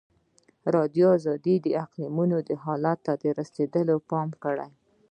ازادي راډیو د اقلیتونه حالت ته رسېدلي پام کړی.